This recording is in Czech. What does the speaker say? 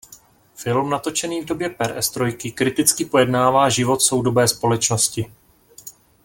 Film natočený v době perestrojky kriticky pojednává život soudobé společnosti.